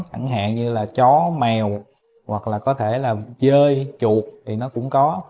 chẳng hạn như là chó mèo hoặc là có thể là chơi chuột thì nó cũng có